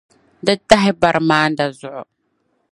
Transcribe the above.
Di tahi baramanda zuɣu.